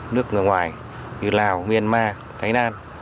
nước người ngoài như lào myanmar thái lan